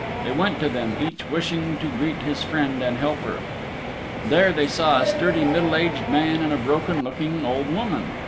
They went to them, each wishing to greet his friend and helper. There they saw a sturdy, middle aged man and a broken looking old woman.